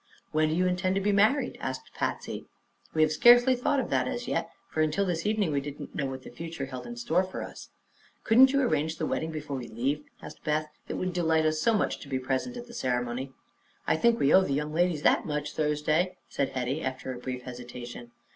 "When do you intend to be married?" asked Patsy. "We have scarcely thought of that, as yet, for until this evening we did not know what the future held in store for us." "Couldn't you arrange the wedding before we leave?" asked Beth. "It would delight us so much to be present at the ceremony." "I think we owe the young ladies that much, Thursday," said Hetty, after a brief hesitation.